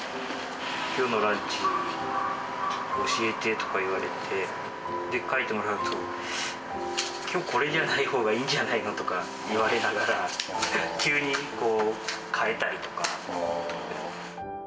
きょうのランチ教えてとか言われて、で、書いてもらうと、きょう、これじゃないほうがいいんじゃないの？とか言われながら、急にこう、変えたりとか。